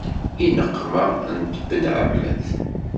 I neqma n tbenɛemmet.